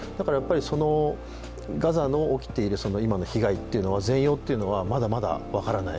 そのガザの起きている今の被害全容というのはまだまだ分からない。